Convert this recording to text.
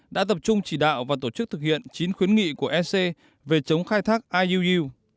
đã tập trung chỉ đạo và tổ chức thực hiện chín khuyến nghị của ec về chống khai thác iuu